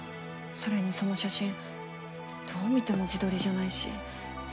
それにその写真どう見ても自撮りじゃないし。